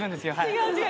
違う違う。